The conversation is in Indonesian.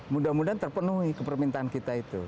mudah mudahan terpenuhi kepermintaan kita itu